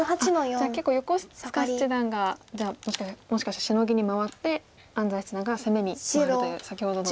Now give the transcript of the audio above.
結構横塚七段がじゃあもしかしてシノギに回って安斎七段が攻めに回るという先ほどの。